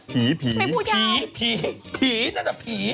ผีน่าจะผี